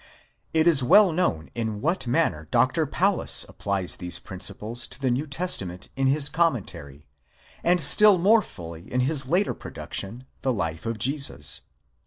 It is well known in what manner Dr. Paulus applies these prin ciples to the New Testament in his Commentary, and still more fully in his later production, " The Life of Jesus."